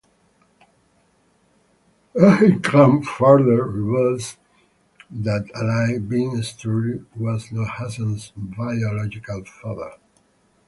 Rahim Khan further reveals that Ali, being sterile, was not Hassan's biological father.